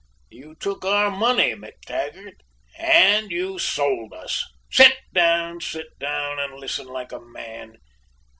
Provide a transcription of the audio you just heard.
You took our money, MacTaggart and you sold us! Sit down, sit down and listen like a man!